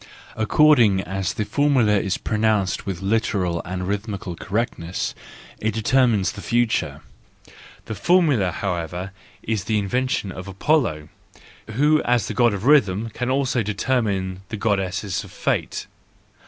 According as the formula is pronounced with literal and rhythmical correctness, it determines the future: the formula, however, is the invention of Apollo, who as the God of rhythm, can also determine the goddesses of fate.